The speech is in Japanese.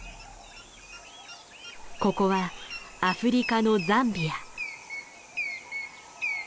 ここはアフリカのザンビア。